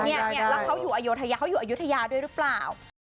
แล้วเขาอยู่อโยธยาเขาอยู่อายุทยาด้วยหรือเปล่า